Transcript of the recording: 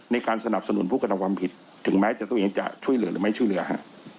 ในการสนับสนุนผู้กระทำความผิดถึงแม้จะตัวเองจะช่วยเหลือหรือไม่ช่วยเหลือฮะ